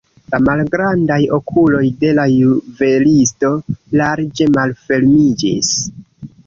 La malgrandaj okuloj de la juvelisto larĝe malfermiĝis.